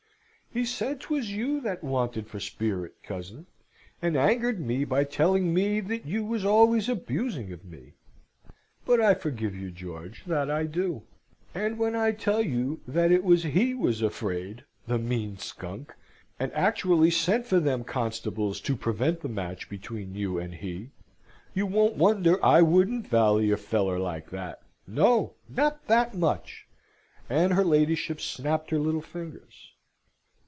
He said 'twas you that wanted for spirit, cousin, and angered me by telling me that you was always abusing of me. But I forgive you, George, that I do! And when I tell you that it was he was afraid the mean skunk! and actually sent for them constables to prevent the match between you and he, you won't wonder I wouldn't vally a feller like that no, not that much!" and her ladyship snapped her little fingers.